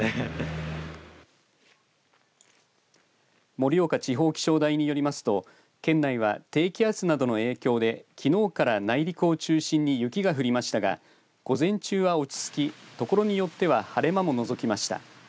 盛岡地方気象台によりますと県内は低気圧などの影響できのうから内陸を中心に雪が降りましたが午前中は落ち着き所によっては晴れ間ものぞきました。